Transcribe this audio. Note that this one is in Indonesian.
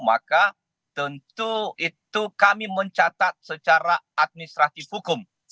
maka tentu itu kami mencatat secara administratif hukum